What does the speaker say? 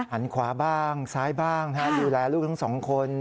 หันขวาบ้างซ้ายบ้างดูแลลูกทั้งสองคน